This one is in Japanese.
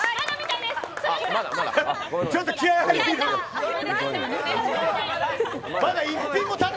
ちょっと気合いが入りすぎて。